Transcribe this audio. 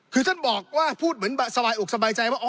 คือท่านบอกว่าพูดเหมือนสบายอกสบายใจว่า